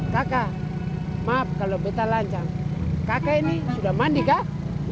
kakak maaf kalo beta lancang kakak ini sudah mandi kah